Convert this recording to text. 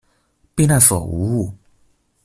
避難所無誤